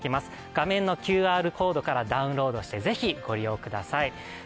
画面のＱＲコードからダウンロードしてぜひ、ご利用ください。